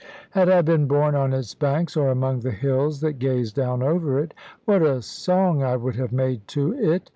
Had I been born on its banks, or among the hills that gaze down over it, what a song I would have made to it!